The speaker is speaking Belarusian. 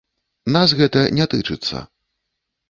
Нас гэта не тычыцца.